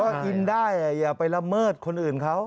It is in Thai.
ก็กินได้อย่าไปละเมิดคนอื่นเขา